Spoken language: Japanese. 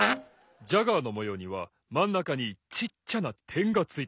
ジャガーのもようにはまんなかにちっちゃなてんがついてるんです！